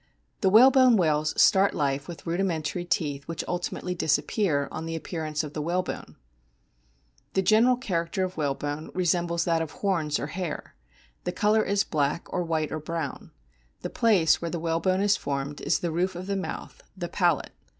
The whalebone whales start life with rudimentary teeth, which ultimately disappear on the appearance of the whalebone. (See p. 68.) The general character of whalebone resembles that of horns or hair. The colour is black or white or brown. The place where the whalebone is formed is the roof of the mouth, the palate.